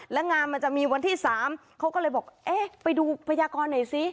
แล้วงานมันจะมีวันที่๓เขาก็เลยบอกเอ๊ะไปดูพยากรหน่อยสิ